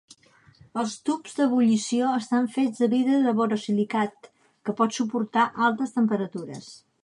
Els tubs d'ebullició estan fets de vidre de borosilicat, que pot suportar altes temperatures.